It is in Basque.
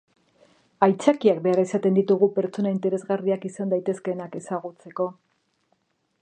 Aitzakiak behar izaten ditugu pertsona interesgarriak izan daitezkeenak ezagutzeko.